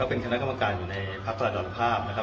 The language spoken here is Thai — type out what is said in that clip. แล้วเป็นคณะกรรมการอยู่ในภาคพระราณภาพนะครับ